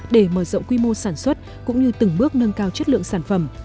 để mở rộng quy mô sản xuất cũng như từng bước nâng cao chất lượng sản phẩm